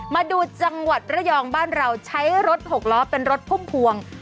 มาดูจังหวัดระยองบ้านเราใช้รถหกล้อเป็นรถพุ่มพวง